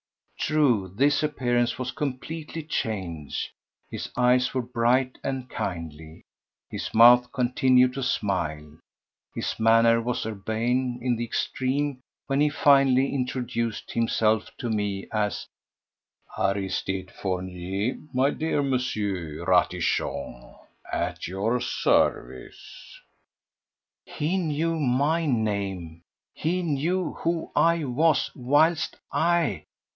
True his appearance was completely changed: his eyes were bright and kindly, his mouth continued to smile, his manner was urbane in the extreme when he finally introduced himself to me as: "Aristide Fournier, my dear Monsieur Ratichon, at your service." He knew my name, he knew who I was! whilst I